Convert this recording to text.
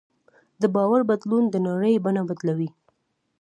د باور بدلون د نړۍ بڼه بدلوي.